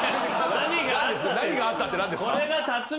「何があった」って何ですか？